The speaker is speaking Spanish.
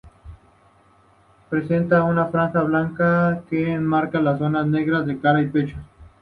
Presentan una franja blanca que enmarca las zonas negras de cara y pecho.